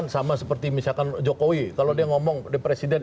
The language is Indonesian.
sama seperti misalkan jokowi kalau dia ngomong depresiden